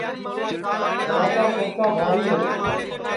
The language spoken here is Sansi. گھرا کا کھرچا بھاری ہے